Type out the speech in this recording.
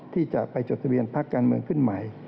ที่จะไปจดทะเบียนพักการเมืองขึ้นใหม่